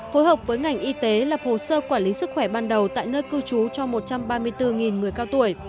phối hợp với ngành y tế lập hồ sơ quản lý sức khỏe ban đầu tại nơi cư trú cho một trăm ba mươi bốn người cao tuổi